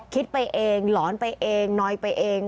คิดไปเองหลอนไปเองน้อยไปเอง